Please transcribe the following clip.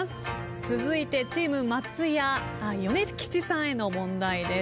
続いてチーム松也米吉さんへの問題です。